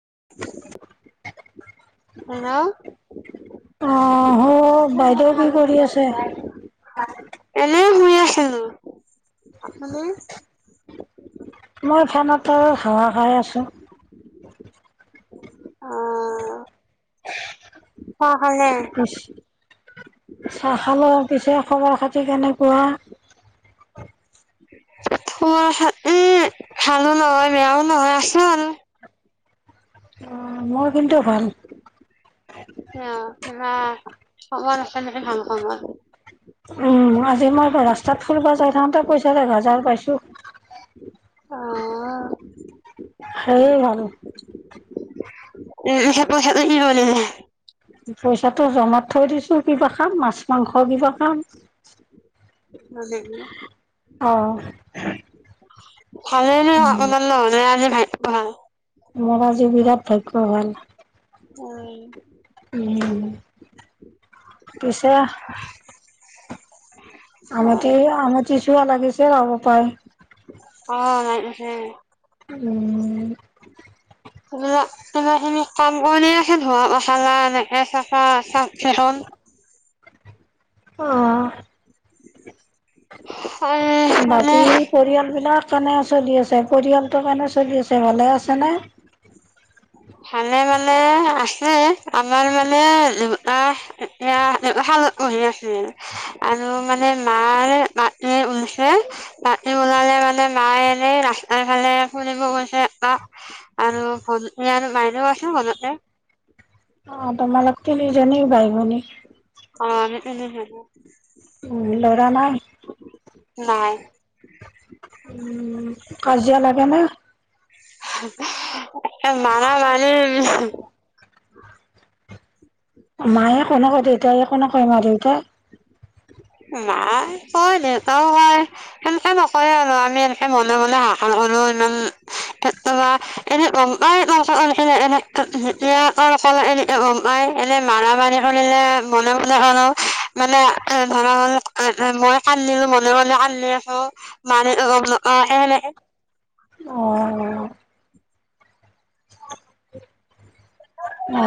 [unintelligible] [unintelligible] আহ আহ বাইদেউ কি কৰি আছে? এনে শুই আছিলো মানে, মই ফেনৰ তলত হাৱা খাই আছো। অ' চাহ খালে। পিছ চাহ খালোঁ পিছে খবৰ খাতি কেনেকুৱা [unintelligible] ভালো নহয়, বেয়াও নহয়, আছো আৰু অ' মোৰ কিন্তু ভাল। [unintelligible] উম, আজি মই ৰাস্তাত ফুৰিব যাই থাকতে পইচা এ হাজাৰ পাইছো। অ' [unintelligible] উম, সে পইচাটো কি [unintelligible] পইচাটো জমাত থৈ দিছো কিবা খাম মাছ, মাংস কিবা খাম। হয় নেকি। অ' ভালে দিয়ক আপোনাৰ নহলি আজি ভাগ্য ভাল। মোৰ আজি বিৰাট ভাগ্য ভাল। উম। উম, পিছে আমতি আমতি চুৱা লাগিছে ৰব পায়। সেয়ে। সিবিলাক তোমাৰ খিনি কাম কৰিলেহে [unintelligible] এনেকে চাফা চাফ চেকুণ। অ' এ বাকী মানে পৰিয়াল বিলাক কেনে আছে? চলি আছে পৰিয়ালটোৰ কেনে চলি আছে, ভালে আছে নে? [inaudible] ভালে মানে আছে আমাৰ মানে [unintelligible] [unintelligible] আৰু মানে মাৰ মাটি ওলছে মাটি ওলালে মানে মায়ে এনেই ৰাস্তাৰ ফালে ফুৰিব গৈছে, অ', আৰু [inaudible] আৰু [unintelligible] অ', তোমালোক তিনিজনী বাই ভনী। অ', আমি তিনিজনী। উম, ল'ৰা নাই? নাই। কেনে এ [unintelligible] মায়ে একো নকয়, দেউতাই একো নকয় মা দেউতাই? মাই কয় দেউতাও কয় সেনেকে নকয় আৰু আমি এনেকে মনে মনে [unintelligible] [unintelligible] এনে গম পাই কমচে কম [unintelligible] [unintelligible] এনে মাৰা মাৰি কৰিলে মনে মনে কৰো মানে ধৰা হ'ল [inaudible] মই কান্দিলে মনে মনে কান্দি থাকো, মাঁ তেতিয়া গম নাপাই [unintelligible] অ'। অ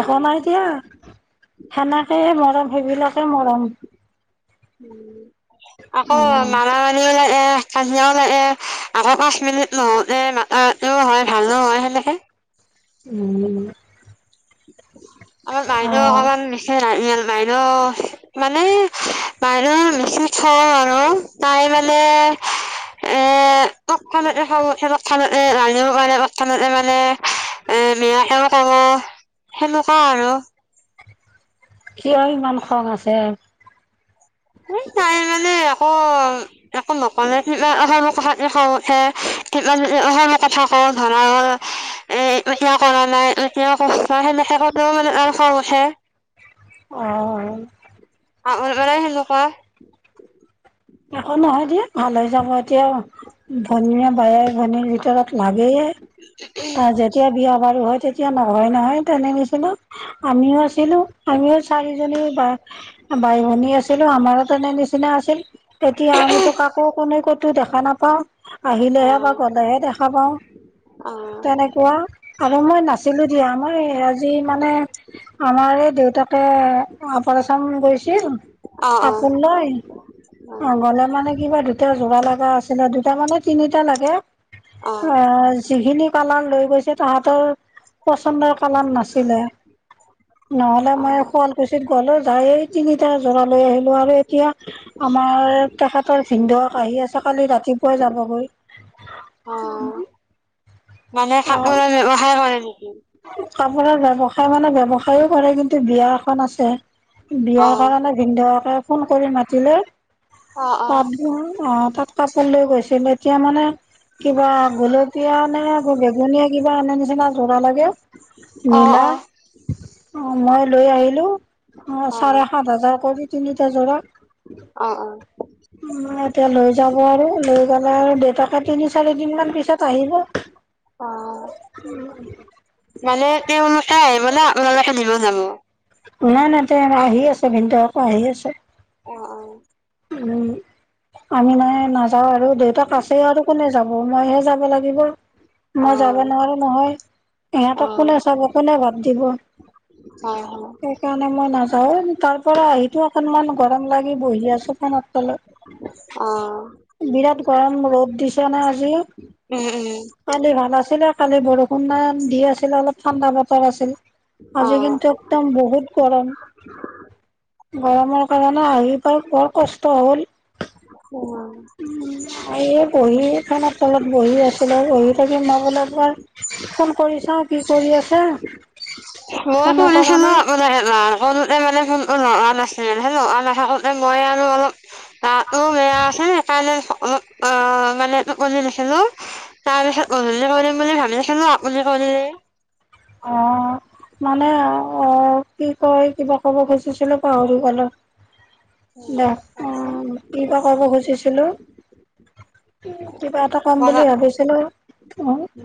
একো নাই দিয়া, সেনেকে মৰম সেইবিলাকে মৰম। আকৌ উম মাৰা মাৰি [unintelligible] আকৌ মাছ মিনিট ন'হকে মাতা মাতিও হয়, ভালেও হয় [inaudible] [inaudible] উম [inaudible] আমাৰ অ বাইদেউ অকমান [unintelligible] বাইদেউ মানে, বাইদেউ [inaudible] [unintelligible] তাই মানে এ, [unintelligible] মানে এ মায়েকেও ক'ব সেনেকুৱা আৰু। কিয় ইমান খং আছে। নাই মানে আকৌ একো নকওঁ নেকি [inaudible] খং উঠে। [unintelligible] কথা কওঁ ধৰা হ'ল এ, এতিয়া কৰা নাই, এতিয়া কিয় কৰছা। [unintelligible] মানে আৰু খং উঠে। অ আৰুল বলে সেনেকুৱা। অ', নহয় দিয়া ভাল হৈ যাব এতিয়া, ভনীয়ে বায়েক ভনীৰ ভিতৰত লাগ সেয়ে যেতিয়া বিয়া বাৰু হয় তে এতিয়া নহয় নহয় তেনে নিচিনা আমিও আছিলোঁ আমিও চাৰিজনীও বা বাই ভনী আছিলোঁ, আমাৰ তেনে নিচিনা আছিল। এতিয়া আমিতো কাকো কোনে ক'তো দেখা নাপাওঁ। অ আহিলেহে বা গ'লেহে দেখা পাওঁ। অ তেনেকুৱা আৰু মই নাছিলোঁ দিয়া মই আজি মানে আমাৰ এই দেউতাকে অপাৰেচন গৈছিল। অ অ কাপোন নাই। অ গলে মানে কিবা দুটা যোৰা লগা আছিলে দুটা মানে তিনিটা লাগে। অ যিখিনি কালান লৈ গৈছে তাহতৰ। পন্দৰ কালাম নাছিলে নহলে অ মই শুৱালকুছিত গ'লো। যাই তিনিটা জৰা লৈ আহিলো আৰু এতিয়া। আমাৰ তেখেতৰ ভিনদৌ কি আছে কালি ৰাতিপুৱাই যাবগৈ। অ উম। মানে কাপোৰৰ ব্যৱসায় কৰে নেক কাপোৰৰ ব্যৱসায় মানে ব্যৱসায়ো কৰে কিন্তু বিয়া এখন আছে, অ বিয়াৰ কাৰণে ভিনদাউকে ফোন কৰি মাতিলে অ অ তাত অ, তাত কাপোৰ লৈ গৈছিল, এতিয়া মানে কিবা গোলপীয়া নে আকৌ বেগুনীয়া কিবা আনে নিচিনা যোৰা লাগে অ', নীলা অ'। অ', মই লৈ আহিলোঁ অ', চাৰে সাত হাজাৰ কৰি তিনিটা জোৰা। অঁ। এতিয়া লৈ যাব আৰু লৈ গলে আৰু। দেউতাকে তিনি চাৰি দিন মান পিছত আহিব। অ মানে তেওঁ অনুাই আহিবলৈ আপোনালোকে দিব যাব। নাই নাই তে আহি আছে ভিনদৌ আকৌ আহি আছে। অঁ, অঁ। উম আমি নাই নাযাও আৰু দেউতাক আছে আৰু কোনে যাওঁ। সোমবাৰে হে যাব লাগিব। মই যাব নোৱাৰো নহয় ইহঁতক অ কোনে চাব কোনে বাদ দিব। হয় হয়। সেইকাৰণে মই তাৰ পৰা আহি অকনমান গৰম লাগি বহি আছ ফোনত তলত। বিৰাট গৰম ৰদ দিছ না আজি উম উম কালি ভাল আছিলে। খালি বৰষুণ দি আছিল অলপ ঠাণ্ডা বতৰ আছিল। আজি কিন্ত একদম বহুত গৰম গৰমৰ কাৰণে আহি পাই বৰ কষ্ট হ'ল উ [unintelligible] এই বহি ফেনৰ তলত বহি আছিলো বহি থাকি মই বোলো এবাৰ ফোন কৰিছো চা কি কৰি আছে মই ফোনো কৰা শনিছিলো নাই আপোনাৰ মানে লৰা ন আছিল লৰা নানে মই আৰু অলপ গাতো বেয়া আছিল সেইকাৰণে আলপ মানে টুপনিত আছিলো তাৰ পিছত গধূলি কৰিম বুলি ভাবি আছিলো আপুনি কৰিলে অঁ মানে অ কি কয় কিবা ক'ব খুজিছিলো পাহৰি গলোঁ দ অ কি বা কব খুজিছিলো উ কিবা এটা কম বুলি মনত ভাবিছিলো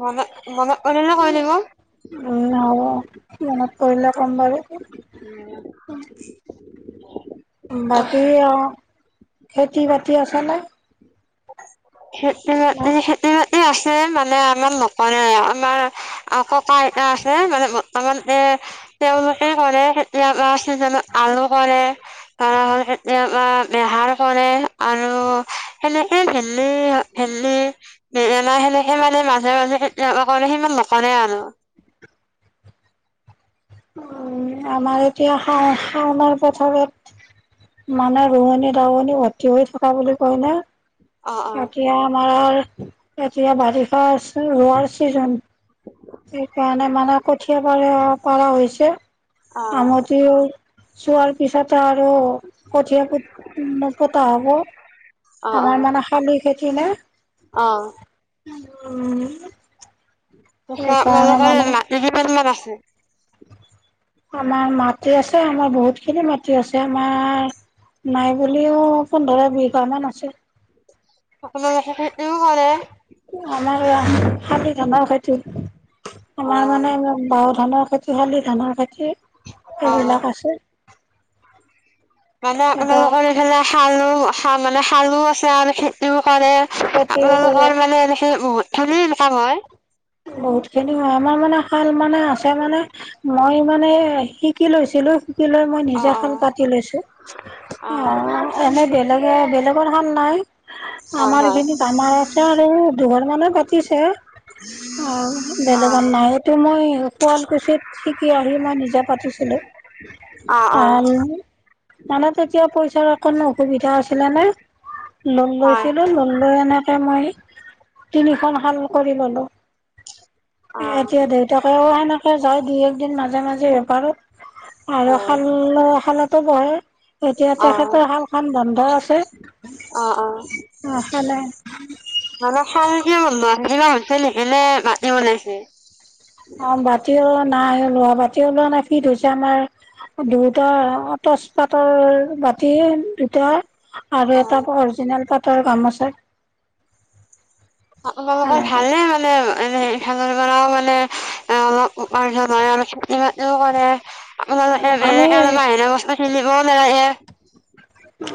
মনত মনত পৰিলে কৈ দিব উম, হ'ব মনত পৰিলে কম বাৰু বাকী আও খেতি বাতি আছে নে খেতি বাতি খেতি বাতি আছে মানে আমাৰ নকৰে আমাৰ আ ককা আইতা আছে মানে বৰ্তমান এ তেওঁলোকে কৰে এতিয়া আলু কৰে তাৰ এতিয়া বহাৰ কৰে আৰু অ সেনে এই ভেলে ভেণ্ডি বেঙনা খেতি সিমানে মাজে মাজে কেতিয়াবা সিমান নকৰে আৰু [unintelligible] উ আমাৰ এতিয়াাও শাওনাৰ পথাৰত মানে ৰোৱনী দাৱনী অতি হৈ থকা বুলি কয়নে? অ অ এতিয়া আমাৰ এতিয়া বাৰিষা ৰোৱাৰ ছিজন। সেইকাৰণে মানে কঠীয়া পাৰে পাৰা হৈছে। অ আমঠিও চোৱাৰ পিছতে আৰু কঠীয়া নপতা হ'ব অ অ আমাৰ মানে শালি খেতি নাই। অ উম। সেইকাৰণে মানে [unintelligible] আমাৰ মাটি আছে আমাৰ বহুত খিনি মাটি আছে আমাৰ নাই বুলিও পোন্ধৰ বিঘা মান আছে। আমাৰ [unintelligible] শালি ধানৰ খেতি, অ আমাৰ মানে বাও ধানৰ খেতি শালি ধানৰ খে তি অ এইবিলাক আছে। মানে এতিয়া আপোনালোকৰ এইফালে সৰু মানে সৰু আছে আৰু এই কৰে খেতি কৰে আপোনালোকৰ মানে এনেকে বহুত খিনি ইনকাম হয়। বহুত খিনি হয় আমাৰ মানে শাল মানে আছে মানে মই মানে শিকি লৈছিলো। শিকি লৈ মই অ' নিজাখন অ' পাতি লৈছো। অ এনে বেলেগে বেলেগৰ কাম নাই হয় আমাৰ এই হয় খিনিত আমাৰ আছে আৰু দুঘৰ মানে পাতিছে। অহ অ' বেলেগত নাই এইটো মই শুৱালকুছিত শিকি আহি মই নিজে পাতিছিলো। অ অ। মানে তেতিয়া পইচাৰ অকনো অসুবিধা আছিলে না লোন হয় লৈছিলো লোন লৈ কিনে মই তিনিখন শাল কৰি ল'লো। অ' এতিয়া দেউতাকেও সেনেকে যায় দুই এক দিন মাজে মাজে বেপাৰত। আৰু হয় শাল শালতো বহে এতিয়া অ' তেখেতৰ শালখন বন্ধ আছে। অ অ [unintelligible] [unintelligible] অ' শালে মাটি বনাইছে। অ মাটিও নাই ওলোৱা। মাটি ওলোৱা নাই ফি ধ হৈছে আমাৰ দুটা তচপাতৰ মাটিৰ, দুটা আৰু এটা অ' অৰিজিনেল পাতৰ গামোছা। আপোনালোকৰ ভালে মানে হে ভালল বনাও মানে অলপ, উপাৰ্জন হয় আৰু খেতি বাতিও কৰে আপোনাৰ আমি বাহিৰে বস্তু, কিনিবও নালগে।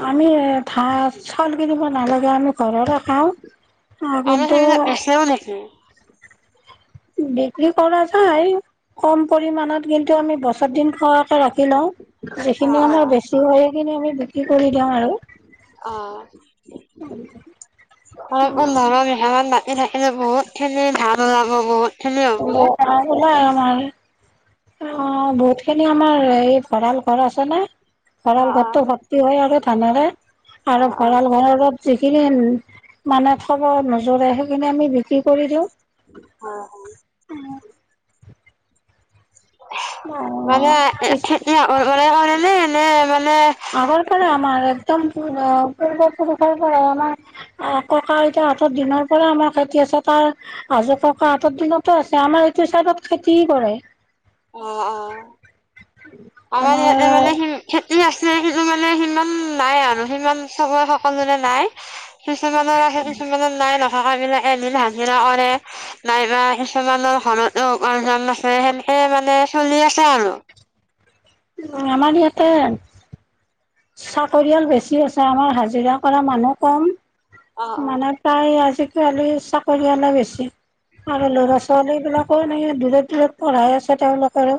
আমি ধাঁ চাউল কিনিব নালাগে আমি ঘৰৰে খাওঁ, আমি আৰু টো, সেইবিলাক বেচেও নেকি? বিক্ৰী কৰা যায়। কম পৰিমমানত কিন্তু আমি বছৰ দিন খোৱাকে ৰাখি লওঁ। অ', যিখিনি অ', আমাৰ বেছি হয় সেইখিনি আমি বিক্ৰী কৰি দিওঁ আৰু [inaudible] [unintelligible] এই থাকিলে বহুত খিনি ধান ওলাব বহুত খিনি হ'ব। [unintelligible] অ বহুত খিনি আমাৰ এই ভঁৰাল ঘৰ আছে না। ভঁৰাল অ', অ', ঘৰতটো ভৰ্তি হয় আৰু ধানেৰে আৰু অ', অ', ভঁৰাল ঘৰ যিখিনি মানে খবৰ [unintelligible] সেইখিনি আমি বিক্ৰী কৰি দিওঁ। অ', মানে মানে [unintelligible] নে মানে, আগৰ পৰা আমাৰ এ, একদম পূৰ্ব পূৰ্ব-পুৰুষৰ পৰা আমাৰ আ ককা-আইতা হঁতৰ দিনৰ পৰা আমাৰ খেতি আছে। তাপা আজো-ককা হঁতৰ দিনতো আছে, আমাৰ এইটো চাইডত খেতি কৰে। আ অ। আমাৰ ইয়াতে মানে সি খেতি আছে সেইটো মানে সিমান [unintelligible] নাই আৰু সিমান চবৰে সকলোৰে নাই কিছুমানৰ ৰাখে কিছুমানৰ নাই নথকা বিলাক এমিল হাজিৰা কৰে নাইবা কিছুমানৰ ঘৰত উপাৰ্জন আছে সেনেকে মানে চলি আছে আৰু আমাৰ ইয়াতে চাকৰিয়াল বেছি আছে আমাৰ হাজিৰা কৰা মানুহ কম। অ', অ', মানে প্ৰায় আজিকালি চাকৰিয়ালে বেছি। আৰু ল'ৰা ছোৱালী বিলাকো এনেক দূৰত দূৰত পঢ়াই আছে তেওঁলোকেৰে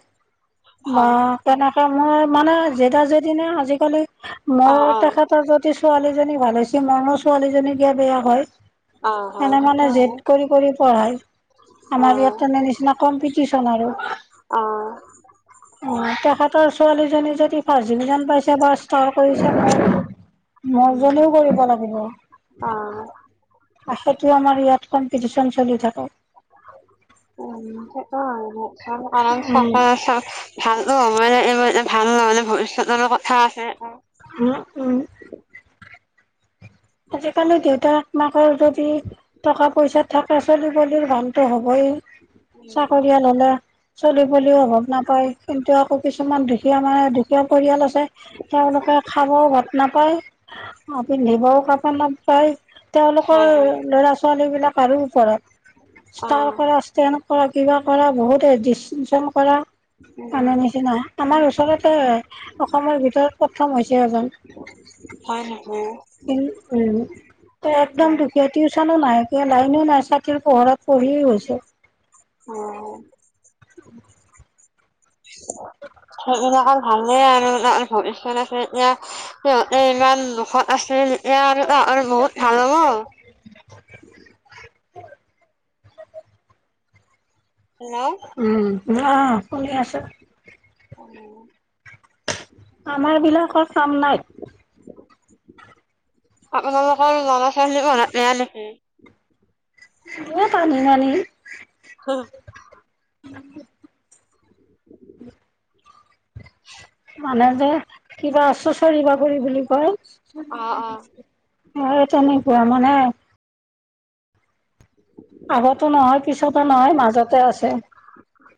বা অ', তেনেকে মই মানে যেদা যেদি নে আজিকালি, মই অ', অ', তেখেতৰ যদি ছোৱালীজনী ভাল হৈছে, মই মোৰ ছোৱালীজনী কিয় বেয়া হয়। মনে মনে জেদ ভালতো কৰি কৰি পঢ়ায়। আমাৰ ইয়াত তেনে নিচিনা কম্পিটিচন আৰু। উম, তেখেতৰ ছোৱালীজনী যদি ফাৰ্ষ্ট ডিভিজন পাইছে চৰকাৰী চাকৰি মোৰ জনীও কৰিব লাগিব। অঁ। তো আমাৰ ইয়াত কম্পিটিচন চলি থাকে। [unintelligible] উম অ' মানে এই ভাল নহ'লে ভৱিষ্যতৰ কথা আছে। হ, উ আজিকালি দেউতাক মাকৰ যদি টকা পইচাত থাক চলি পলিৰ দামতটো হ'বই উম, চাকৰিয়াল হলে চলিবও অভাৱ নাপায়। কিন্তু আকৌ কিছুমান দুখীয়া মানে দু কিছুমান পৰিয়াল আছে তেওঁলোকে খাবও ভাত নাপায় পিন্ধিবও কা পাই তেওঁলোকৰ হয় হয় ল'ৰা ছোৱালী বিলাক আৰু ওপৰত ষ্টাৰ অ', কৰা ষ্টেনড কৰা কিবা কৰা বহুতে ডিচষ্টিনচ কৰা উম, মানে নিচিনা আমাৰ ওচৰতে অসমৰ ভিতৰত প্ৰথম হৈছে এজন। হয় [unintelligible] উম, একদম দুখীয়া টিউচনো নাই কিয় লাইনো নাই ছাকি পোহৰত। পঢ়ি হৈছে। অ' সেইবিলাক আৰু ভালেই আৰু ভৱিষ্যত আছে এতিয়া। সিহঁতে ইমান দুখত আছিল এ আৰু আৰু বহুত ভাল হ'ব [unintelligible] হেল্ল' উম, আহ শুনি আছো। অ' আমাৰ বিলাকৰ কাম নাই। আপোনালোকৰ ল'ৰা ছোৱালী ঘৰত নাই নেকি? এ পানী পানী হ উম, [unintelligible] মানে যে কিবা চুচৰি বাগৰি বুলি কয় অ', অ'। তেনেকুৱা মানে আগতো নহয় পিছতো নহয় মাজতে আছে। [unintelligible]